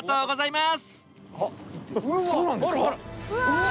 うわ！